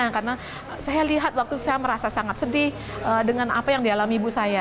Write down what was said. karena saya lihat waktu saya merasa sangat sedih dengan apa yang dialami ibu saya